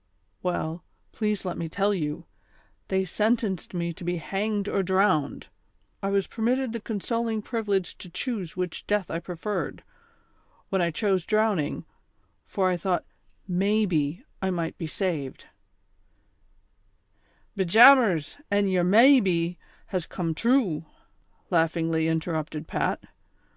'' Well, please let me tell you. They sentenced me to be hanged or drowned ; I was permitted the consoling privi lege to choose which death I preferred, when I chose drowning, for I thought may be I might be saved "— "Be jabers, an' yer ' may be ' has comed tru," laughingly interrupted Pat.